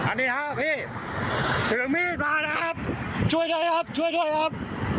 อันนี้ฮะพี่ถือมีดมานะครับช่วยด้วยครับช่วยด้วยครับ